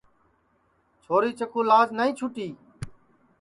چھوری چکُو لاج نائی چُھوٹی